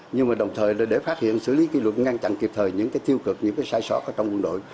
nhưng đồng thời để phát hiện xử lý kỷ luật ngăn chặn kịp thời những thiêu cực những sai sót trong quân đội